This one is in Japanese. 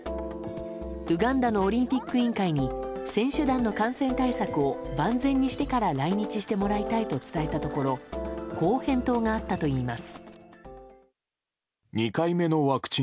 ウガンダのオリンピック委員会に選手団の感染対策を万全にしてから来日してもらいたいと伝えたところこう返答があったといいます。